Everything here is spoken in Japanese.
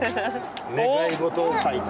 願い事を書いて。